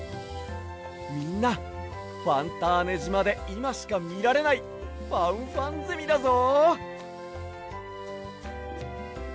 みんなファンターネじまでいましかみられないファンファンゼミだぞ！